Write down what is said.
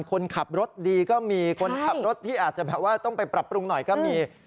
คนขับรถดีก็มีคนขับรถที่อาจจะแบบว่าต้องไปปรับปรุงหน่อยก็มี